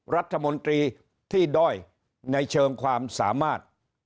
รัฐมนตรีที่ด้อยในเชิงความสามารถ